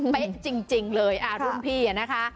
เป๊ะจริงเลยรุ่นพี่นะคะ